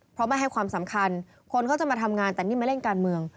เพราะไม่ให้ความสำคัญคนเขาจะมาทำงานแต่นี่ไม่เล่นการเมือง